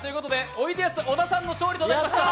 おいでやす小田さんの勝利となりました。